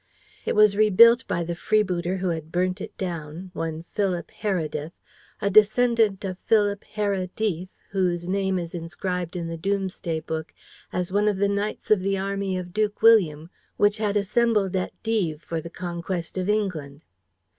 It was rebuilt by the freebooter who had burnt it down; one Philip Heredith, a descendant of Philip Here Deith, whose name is inscribed in the Domesday Book as one of the knights of the army of Duke William which had assembled at Dives for the conquest of England.